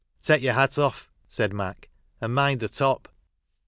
" Take your hat off," said Mac, " and mind the top."